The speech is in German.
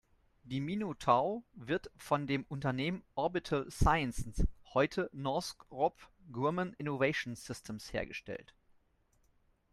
Die Minotaur wird von dem Unternehmen Orbital Sciences, heute Northrop Grumman Innovation Systems, hergestellt.